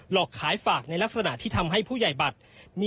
อกขายฝากในลักษณะที่ทำให้ผู้ใหญ่บัตร